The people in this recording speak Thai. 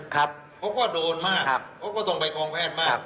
เขาก็โดนมากเขาก็ต้องไปกองแพทย์มาก